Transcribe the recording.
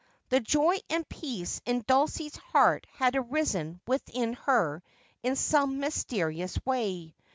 The joy and peace in Dulcie's heart had arisen within her in some mysterious way.